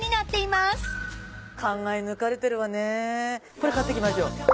これ買っていきましょう。